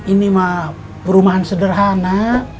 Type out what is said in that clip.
ini mah perumahan sederhana